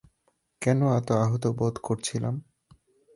কেন এত আহত বোধ করছিলাম?